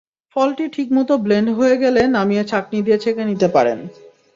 ফলটি ঠিকমতো ব্লেন্ড হয়ে গেলে নামিয়ে ছাঁকনি দিয়ে ছেঁকে নিতে পারেন।